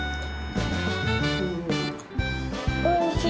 おいしい。